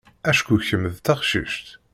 Acku kemm d taqcict.